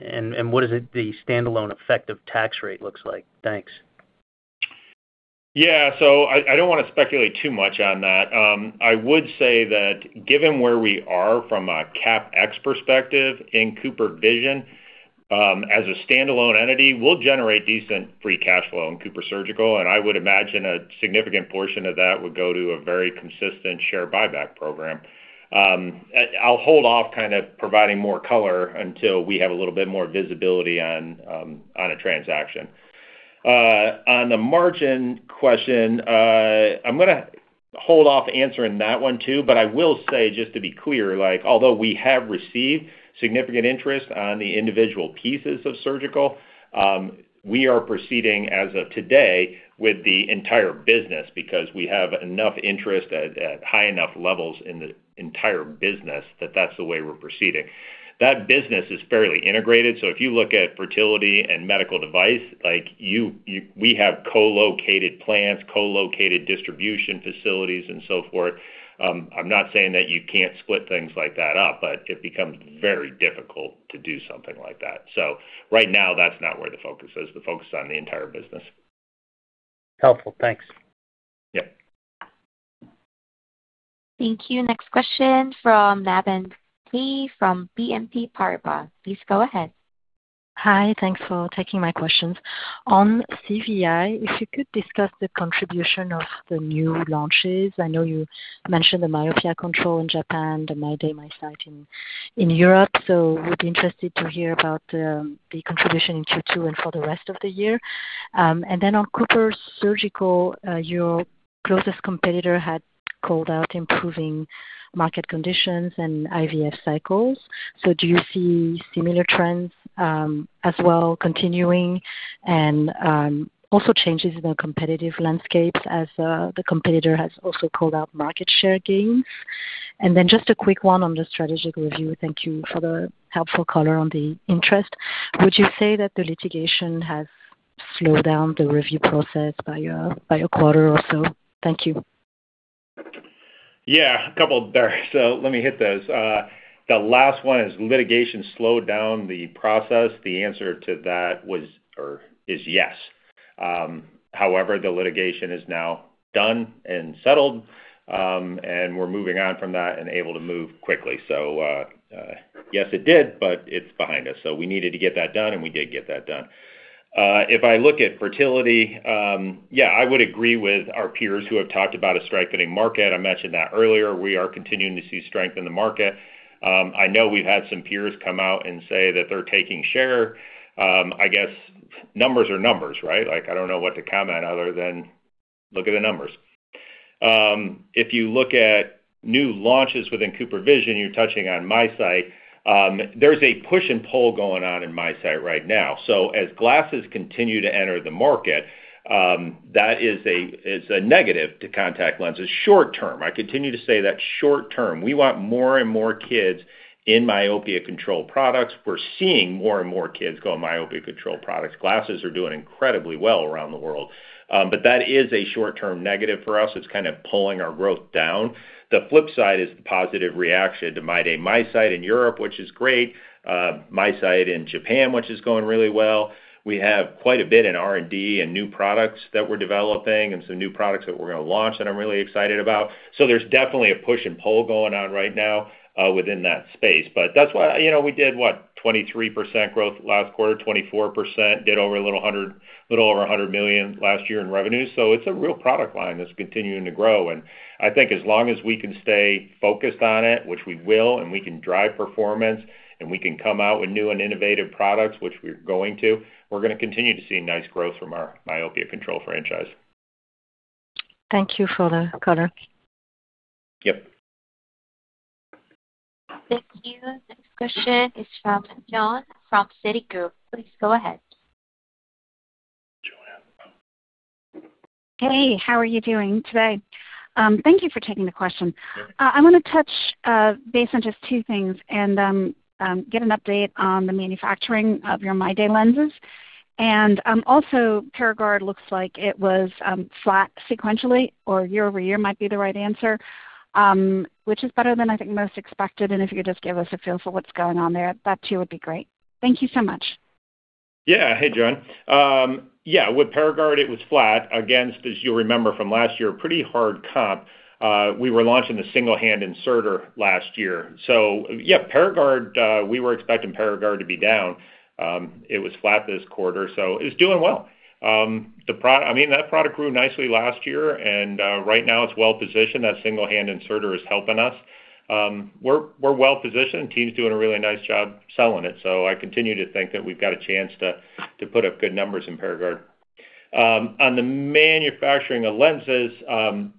and what is it the standalone effective tax rate looks like? Thanks. Yeah. I don't want to speculate too much on that. I would say that given where we are from a CapEx perspective in CooperVision, as a standalone entity, we'll generate decent free cash flow in CooperSurgical, and I would imagine a significant portion of that would go to a very consistent share buyback program. I'll hold off kind of providing more color until we have a little bit more visibility on a transaction. On the margin question, I'm going to hold off answering that one too, but I will say, just to be clear, although we have received significant interest on the individual pieces of CooperSurgical, we are proceeding as of today with the entire business because we have enough interest at high enough levels in the entire business that that's the way we're proceeding. That business is fairly integrated, if you look at fertility and medical device, we have co-located plants, co-located distribution facilities, and so forth. I'm not saying that you can't split things like that up, but it becomes very difficult to do something like that. Right now, that's not where the focus is. The focus is on the entire business. Helpful. Thanks. Yeah. Thank you. Next question from Laban Yu from BNP Paribas. Please go ahead. Hi. Thanks for taking my questions. On CVI, if you could discuss the contribution of the new launches. I know you mentioned the myopia control in Japan, the MyDay MiSight in Europe. Would be interested to hear about the contribution in Q2 and for the rest of the year. On CooperSurgical, your closest competitor had called out improving market conditions and IVF cycles. Do you see similar trends as well continuing and also changes in the competitive landscapes as the competitor has also called out market share gains? Just a quick one on the strategic review. Thank you for the helpful color on the interest. Would you say that the litigation has slowed down the review process by a quarter or so? Thank you. Yeah. A couple there. Let me hit those. The last one, has litigation slowed down the process? The answer to that is yes. However, the litigation is now done and settled, and we're moving on from that and able to move quickly. Yes, it did, but it's behind us. We needed to get that done, and we did get that done. If I look at fertility, yeah, I would agree with our peers who have talked about a strengthening market. I mentioned that earlier. We are continuing to see strength in the market. I know we've had some peers come out and say that they're taking share. I guess numbers are numbers, right? I don't know what to comment other than look at the numbers. If you look at new launches within CooperVision, you're touching on MiSight. There's a push and pull going on in MiSight right now. As glasses continue to enter the market, that is a negative to contact lenses short term. I continue to say that short term. We want more and more kids in myopia control products. We're seeing more and more kids go on myopia control products. Glasses are doing incredibly well around the world. That is a short-term negative for us. It's kind of pulling our growth down. The flip side is the positive reaction to MyDay MiSight in Europe, which is great. MiSight in Japan, which is going really well. We have quite a bit in R&D and new products that we're developing and some new products that we're going to launch that I'm really excited about. There's definitely a push and pull going on right now within that space. That's why we did, what, 23% growth last quarter, 24%, did a little over $100 million last year in revenue. It's a real product line that's continuing to grow, and I think as long as we can stay focused on it, which we will, and we can drive performance, and we can come out with new and innovative products, which we're going to, we're going to continue to see nice growth from our myopia control franchise. Thank you for the color. Yep. Thank you. Next question is from Joanne from Citigroup. Please go ahead. Joanne. Hey, how are you doing today? Thank you for taking the question. I want to touch base on just two things and get an update on the manufacturing of your MyDay lenses. Also, PARAGARD looks like it was flat sequentially or year-over-year might be the right answer, which is better than I think most expected, and if you could just give us a feel for what's going on there, that too would be great. Thank you so much. Hey, Joanne. With PARAGARD, it was flat against, as you'll remember from last year, pretty hard comp. We were launching the single-hand inserter last year. PARAGARD, we were expecting PARAGARD to be down. It was flat this quarter, so it's doing well. That product grew nicely last year, and right now it's well positioned. That single-hand inserter is helping us. We're well-positioned. Team's doing a really nice job selling it. I continue to think that we've got a chance to put up good numbers in PARAGARD. On the manufacturing of lenses,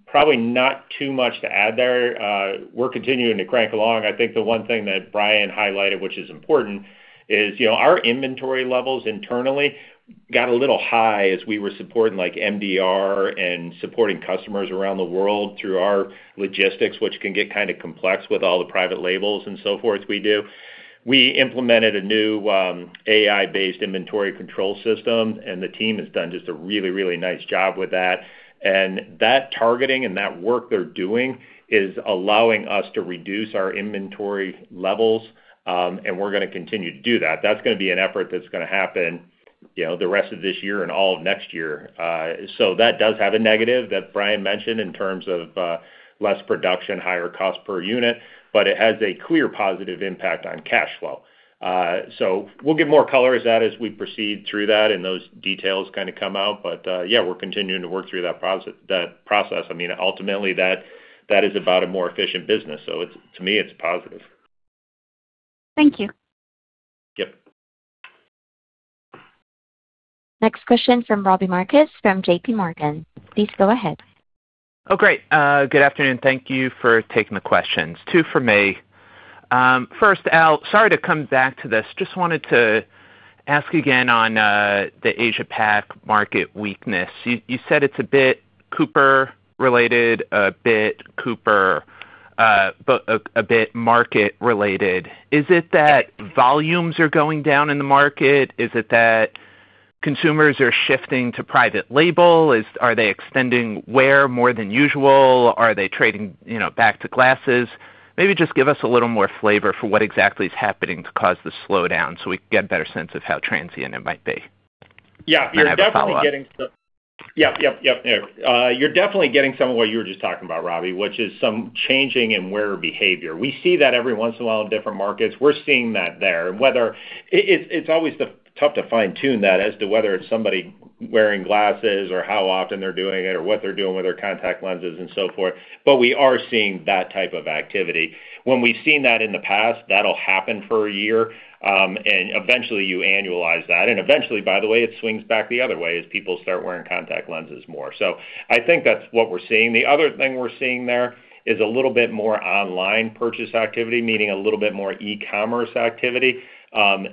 probably not too much to add there. We're continuing to crank along. I think the one thing that Brian highlighted, which is important, is our inventory levels internally got a little high as we were supporting MDR and supporting customers around the world through our logistics, which can get kind of complex with all the private labels and so forth we do. We implemented a new AI-based inventory control system, and the team has done just a really nice job with that. That targeting and that work they're doing is allowing us to reduce our inventory levels, and we're going to continue to do that. That's going to be an effort that's going to happen the rest of this year and all of next year. That does have a negative, that Brian mentioned, in terms of less production, higher cost per unit, but it has a clear positive impact on cash flow. We'll give more color to that as we proceed through that and those details kind of come out. Yeah, we're continuing to work through that process. Ultimately, that is about a more efficient business. To me, it's positive. Thank you. Yep. Next question from Robbie Marcus from JPMorgan. Please go ahead. Oh, great. Good afternoon. Thank you for taking the questions. Two for me. First, Al, sorry to come back to this. Just wanted to ask again on the Asia-Pacific market weakness. You said it's a bit Cooper-related, a bit market-related. Is it that volumes are going down in the market? Is it that consumers are shifting to private label? Are they extending wear more than usual? Are they trading back to glasses? Just give us a little more flavor for what exactly is happening to cause the slowdown so we can get a better sense of how transient it might be. Yeah. I have a follow-up. Yep. You're definitely getting some of what you were just talking about, Robbie, which is some changing in wearer behavior. We see that every once in a while in different markets. We're seeing that there. It's always tough to fine-tune that as to whether it's somebody wearing glasses or how often they're doing it or what they're doing with their contact lenses and so forth. We are seeing that type of activity. When we've seen that in the past, that'll happen for a year, and eventually you annualize that. Eventually, by the way, it swings back the other way as people start wearing contact lenses more. I think that's what we're seeing. The other thing we're seeing there is a little bit more online purchase activity, meaning a little bit more e-commerce activity.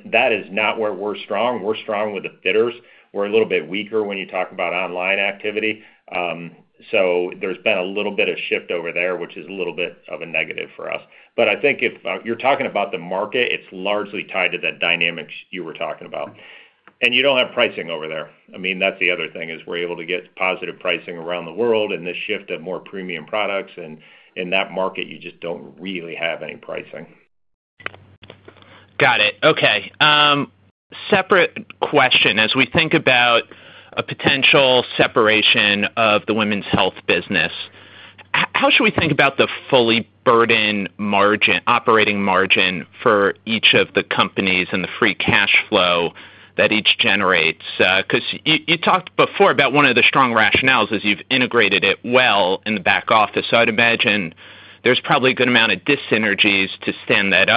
That is not where we're strong. We're strong with the fitters. We're a little bit weaker when you talk about online activity. There's been a little bit of shift over there, which is a little bit of a negative for us. I think if you're talking about the market, it's largely tied to that dynamics you were talking about. You don't have pricing over there. That's the other thing, is we're able to get positive pricing around the world and the shift of more premium products. In that market, you just don't really have any pricing. Got it. Okay. Separate question. As we think about a potential separation of the women's health business, how should we think about the fully burdened operating margin for each of the companies and the free cash flow that each generates? You talked before about one of the strong rationales is you've integrated it well in the back office. I'd imagine there's probably a good amount of dyssynergies to stand that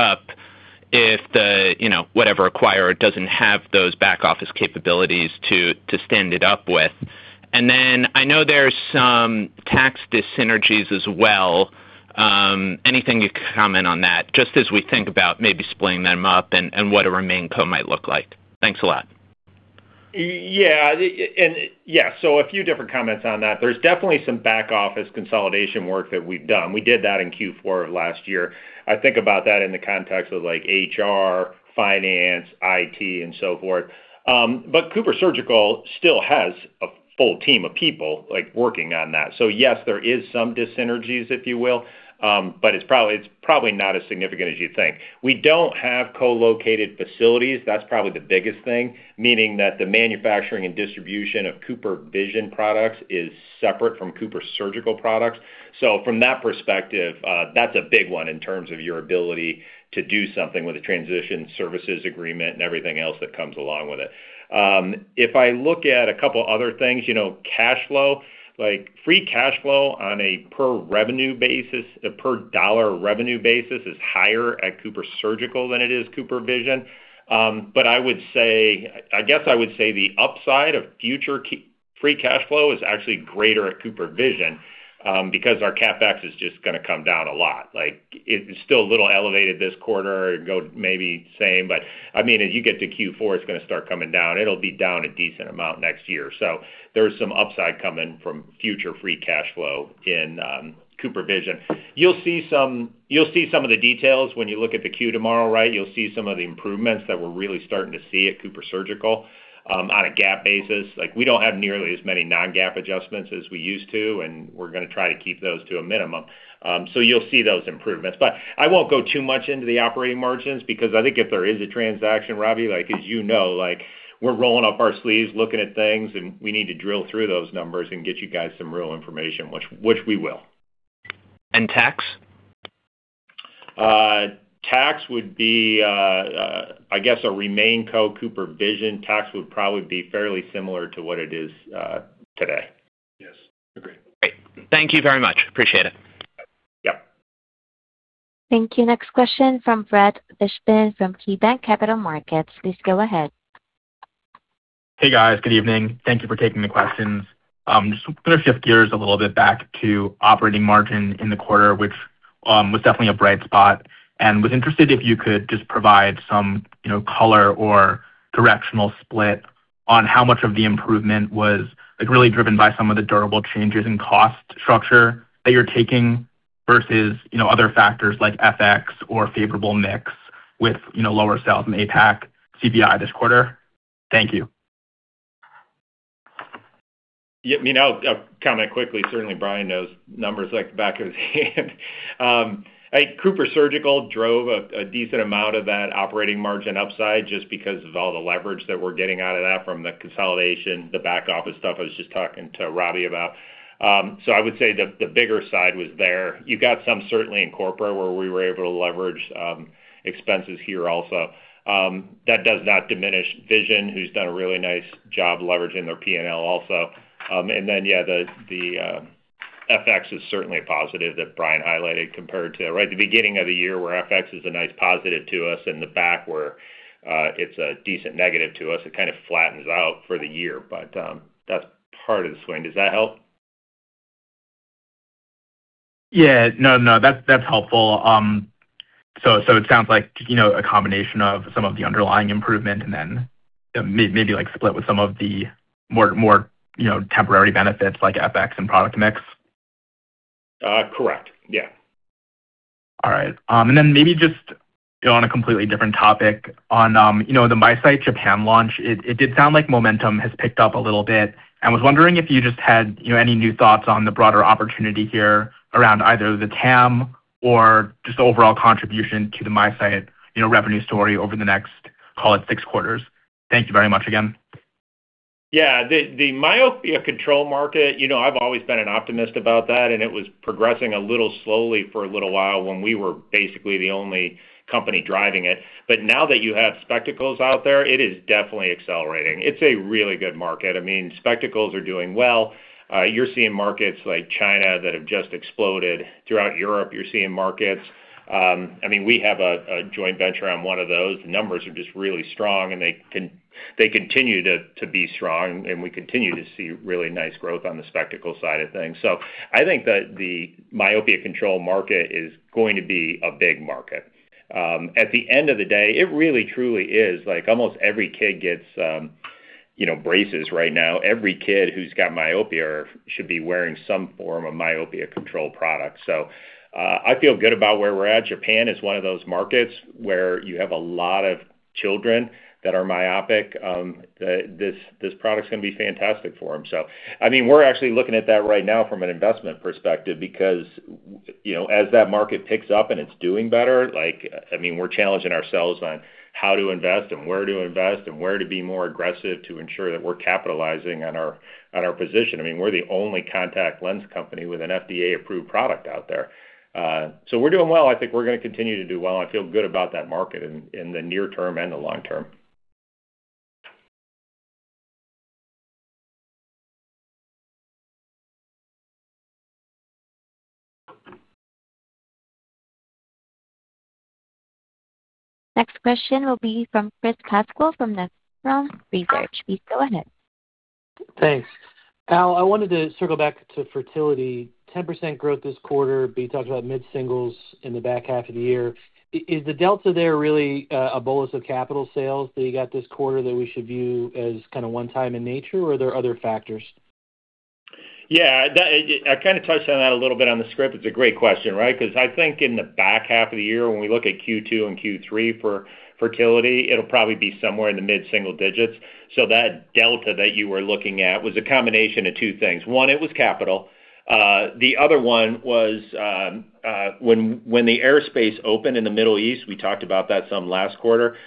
up if whatever acquirer doesn't have those back-office capabilities to stand it up with. I know there's some tax dyssynergies as well. Anything you could comment on that, just as we think about maybe splitting them up and what a RemainCo might look like? Thanks a lot. A few different comments on that. There's definitely some back-office consolidation work that we've done. We did that in Q4 of last year. I think about that in the context of HR, finance, IT, and so forth. CooperSurgical still has a full team of people working on that. Yes, there is some dyssynergies, if you will, but it's probably not as significant as you'd think. We don't have co-located facilities. That's probably the biggest thing, meaning that the manufacturing and distribution of CooperVision products is separate from CooperSurgical products. From that perspective, that's a big one in terms of your ability to do something with a transition services agreement and everything else that comes along with it. If I look at a couple other things, cash flow, like free cash flow on a per dollar revenue basis is higher at CooperSurgical than it is CooperVision. I guess I would say the upside of future free cash flow is actually greater at CooperVision because our CapEx is just going to come down a lot. It's still a little elevated this quarter and maybe same, but as you get to Q4, it's going to start coming down. It'll be down a decent amount next year. There's some upside coming from future free cash flow in CooperVision. You'll see some of the details when you look at the Q tomorrow. You'll see some of the improvements that we're really starting to see at CooperSurgical on a GAAP basis. We don't have nearly as many non-GAAP adjustments as we used to, and we're going to try to keep those to a minimum. You'll see those improvements. I won't go too much into the operating margins because I think if there is a transaction, Robbie, as you know, we're rolling up our sleeves looking at things, and we need to drill through those numbers and get you guys some real information, which we will. Tax? Tax would be, I guess, a RemainCo CooperVision, tax would probably be fairly similar to what it is today. Yes. Agree. Great. Thank you very much. Appreciate it. Yeah. Thank you. Next question from Brett Fishbin from KeyBanc Capital Markets. Please go ahead. Hey, guys. Good evening. Thank you for taking the questions. Going to shift gears a little bit back to operating margin in the quarter, which was definitely a bright spot, and was interested if you could just provide some color or directional split on how much of the improvement was really driven by some of the durable changes in cost structure that you're taking versus other factors like FX or favorable mix with lower sales in APAC, CVI this quarter. Thank you. Yeah, I mean, I'll comment quickly. Certainly, Brian knows numbers like the back of his hand. CooperSurgical drove a decent amount of that operating margin upside just because of all the leverage that we're getting out of that from the consolidation, the back office stuff I was just talking to Robbie about. I would say the bigger side was there. You've got some certainly in corporate where we were able to leverage expenses here also. That does not diminish CooperVision, who's done a really nice job leveraging their P&L also. Yeah, the FX is certainly a positive that Brian highlighted compared to right at the beginning of the year where FX is a nice positive to us in the back where it's a decent negative to us. It kind of flattens out for the year. That's part of the swing. Does that help? Yeah. No, that's helpful. It sounds like a combination of some of the underlying improvement and then maybe split with some of the more temporary benefits like FX and product mix. Correct. Yeah. All right. Maybe just on a completely different topic on the MiSight Japan launch. It did sound like momentum has picked up a little bit. I was wondering if you just had any new thoughts on the broader opportunity here around either the TAM or just overall contribution to the MiSight revenue story over the next, call it, six quarters. Thank you very much again. The myopia control market, I've always been an optimist about that, and it was progressing a little slowly for a little while when we were basically the only company driving it. Now that you have spectacles out there, it is definitely accelerating. It's a really good market. Spectacles are doing well. You're seeing markets like China that have just exploded. Throughout Europe, you're seeing markets. We have a joint venture on one of those. The numbers are just really strong, and they continue to be strong, and we continue to see really nice growth on the spectacle side of things. I think that the myopia control market is going to be a big market. At the end of the day, it really truly is like almost every kid gets braces right now. Every kid who's got myopia should be wearing some form of myopia control product. I feel good about where we're at. Japan is one of those markets where you have a lot of children that are myopic. This product's going to be fantastic for them. We're actually looking at that right now from an investment perspective because as that market picks up and it's doing better, we're challenging ourselves on how to invest and where to invest and where to be more aggressive to ensure that we're capitalizing on our position. We're the only contact lens company with an FDA-approved product out there. We're doing well. I think we're going to continue to do well. I feel good about that market in the near term and the long term. Next question will be from Chris Pasquale from Nephron Research. Please go ahead. Thanks. Al, I wanted to circle back to fertility. 10% growth this quarter, but you talked about mid-singles in the back half of the year. Is the delta there really a bolus of capital sales that you got this quarter that we should view as kind of one time in nature, or are there other factors? Yeah. I kind of touched on that a little bit on the script. It's a great question, right? I think in the back half of the year, when we look at Q2 and Q3 for fertility, it'll probably be somewhere in the mid-single digits. That delta that you were looking at was a combination of two things. One, it was capital. The other one was when the airspace opened in the Middle East, we talked about that some last quarter.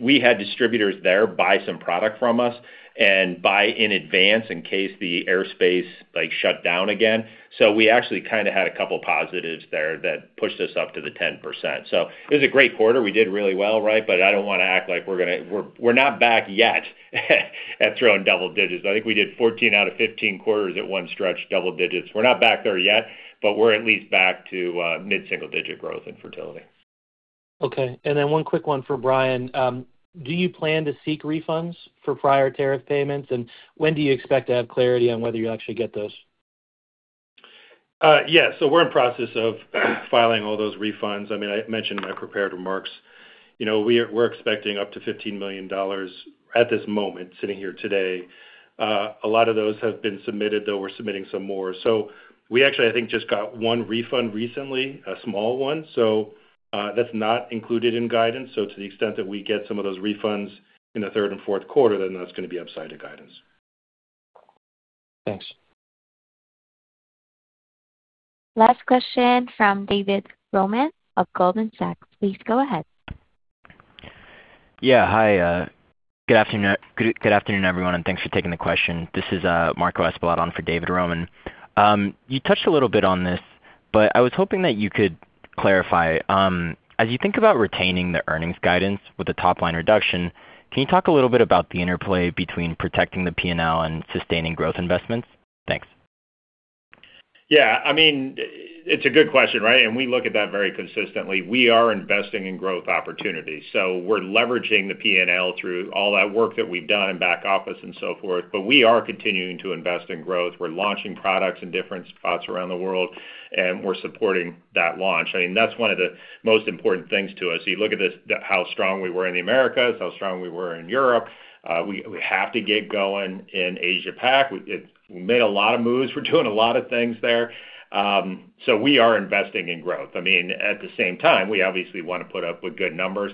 We had distributors there buy some product from us and buy in advance in case the airspace shut down again. We actually kind of had a couple positives there that pushed us up to the 10%. It was a great quarter. We did really well, right? I don't want to act like we're not back yet at throwing double digits. I think we did 14 out of 15 quarters at one stretch, double digits. We're not back there yet, but we're at least back to mid-single digit growth in fertility. Okay. One quick one for Brian. Do you plan to seek refunds for prior tariff payments? When do you expect to have clarity on whether you'll actually get those? Yeah. We're in process of filing all those refunds. I mentioned in my prepared remarks. We're expecting up to $15 million at this moment, sitting here today. A lot of those have been submitted, though we're submitting some more. We actually, I think, just got one refund recently, a small one. That's not included in guidance. To the extent that we get some of those refunds in the third and fourth quarter, then that's going to be upside to guidance. Thanks. Last question from David Roman of Goldman Sachs. Please go ahead. Yeah. Hi. Good afternoon, everyone, and thanks for taking the question. This is Marco Espadón for David Roman. You touched a little bit on this. I was hoping that you could clarify. As you think about retaining the earnings guidance with the top-line reduction, can you talk a little bit about the interplay between protecting the P&L and sustaining growth investments? Thanks. Yeah. It's a good question, right? We look at that very consistently. We are investing in growth opportunities. We're leveraging the P&L through all that work that we've done in back office and so forth. We are continuing to invest in growth. We're launching products in different spots around the world, and we're supporting that launch. That's one of the most important things to us. You look at how strong we were in the Americas, how strong we were in Europe. We have to get going in Asia-Pac. We made a lot of moves. We're doing a lot of things there. We are investing in growth. At the same time, we obviously want to put up with good numbers.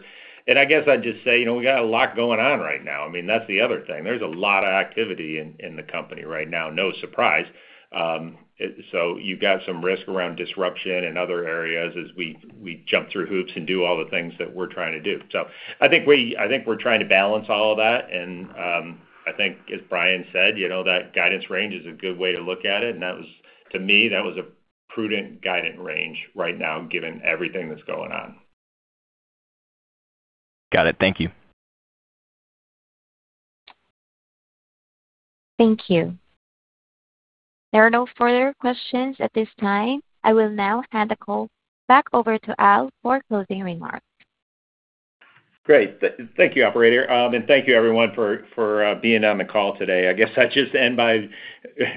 I guess I'd just say, we got a lot going on right now. That's the other thing. There's a lot of activity in the company right now, no surprise. You've got some risk around disruption in other areas as we jump through hoops and do all the things that we're trying to do. I think we're trying to balance all of that, and I think, as Brian said, that guidance range is a good way to look at it, and to me, that was a prudent guidance range right now, given everything that's going on. Got it. Thank you. Thank you. There are no further questions at this time. I will now hand the call back over to Al for closing remarks. Great. Thank you, Operator. Thank you everyone for being on the call today. I guess I'll just end by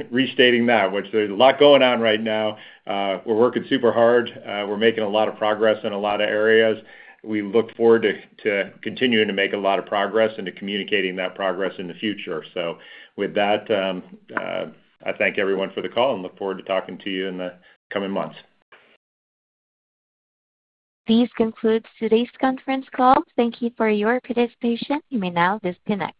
restating that, which there's a lot going on right now. We're working super hard. We're making a lot of progress in a lot of areas. We look forward to continuing to make a lot of progress and to communicating that progress in the future. With that, I thank everyone for the call and look forward to talking to you in the coming months. This concludes today's conference call. Thank you for your participation. You may now disconnect.